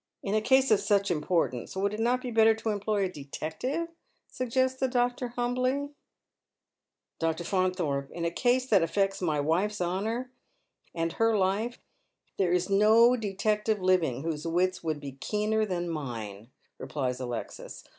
" In a case of such importance would it not be better to employ a detective ?" suggests the doctor, humbly. " Dr. Faunthorpe, in a case that affects my wife's honour and her life there is no detective living whose wits would be keener than mine," replies Alexis.